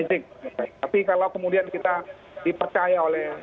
tapi kalau kemudian kita dipercaya oleh